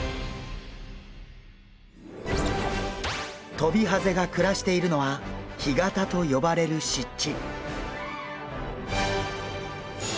トビハゼが暮らしているのは干潟と呼ばれる湿地。